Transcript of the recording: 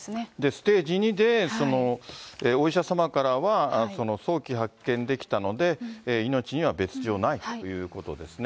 ステージ２で、お医者様からは、早期発見できたので、命には別条ないということですね。